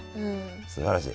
すばらしい。